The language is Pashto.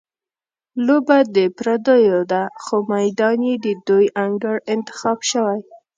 لوبه د پردیو ده، خو میدان یې د دوی انګړ انتخاب شوی.